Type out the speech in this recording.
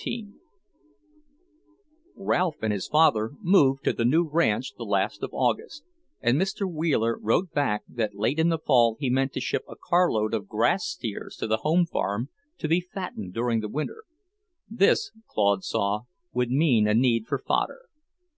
XIV Ralph and his father moved to the new ranch the last of August, and Mr. Wheeler wrote back that late in the fall he meant to ship a carload of grass steers to the home farm to be fattened during the winter. This, Claude saw, would mean a need for fodder.